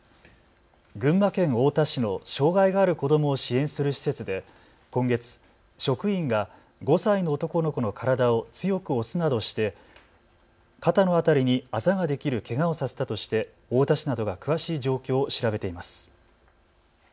群馬県太田市の障害がある子どもを支援する施設で今月、職員が５歳の男の子の体を強く押すなどして肩の辺りにあざができるけがをさせたとして太田市などが詳しい状況を調べています。